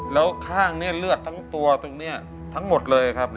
แล้วข้างนี้เลือดทั้งตัวตรงนี้ทั้งหมดเลยครับ